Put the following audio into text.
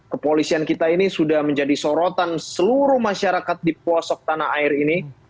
kepolisian kita ini sudah menjadi sorotan seluruh masyarakat di pelosok tanah air ini